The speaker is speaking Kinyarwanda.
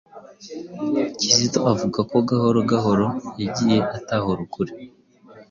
Kizito avuga ko gahoro gahoro yagiye atahura ukuri